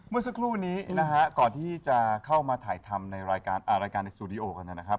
เมื่อสักครู่นี้นะฮะก่อนที่จะเข้ามาถ่ายทำในรายการรายการในสตูดิโอกันนะครับ